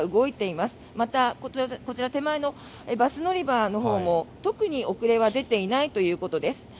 また、こちら手前のバス乗り場のほうも特に遅れは出ていないということです。